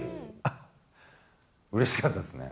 うれしかったですね。